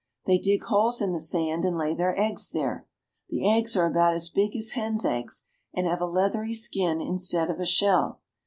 They dig holes in the sand and lay their eggs there. The eggs are about as big as hens' eggs, and have a leathery skin instead of a shell.